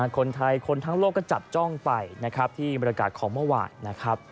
ใครคนทั้งโลกก็จับจ้องไปที่บรรดากาศของเมื่อวาน